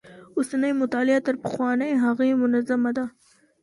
اوسنۍ مطالعه تر پخوانۍ هغې منظمه ده.